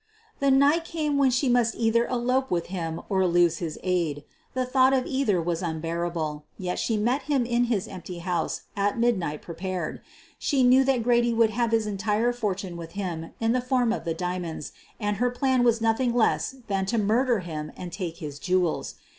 The night came when she must either elope with him or lose his aid. The thought of either was unbearable, yet she met him in his empty house at midnight prepared. She knew that Grady would have his entire fortune with him in the form of the diamonds and her plan was nothing less than to QUEEN OF THE BURGLARS 205 murder him and take his jewels.